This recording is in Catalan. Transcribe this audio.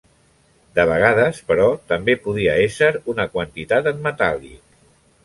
De vegades, però, també podia ésser una quantitat en metàl·lic.